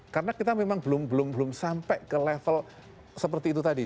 karena kita memang belum sampai ke level seperti itu tadi